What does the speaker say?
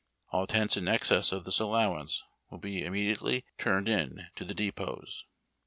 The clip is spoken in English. All tents in excess of this allowance will be immediately turned in to the depots.